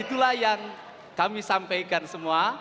itulah yang kami sampaikan semua